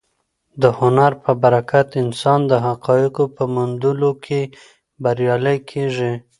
د هنر په برکت انسان د حقایقو په موندلو کې بریالی کېږي.